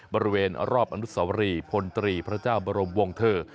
บริเวณรอบอนุสวรีพลตรีพระเจ้าบรมวงเทอร์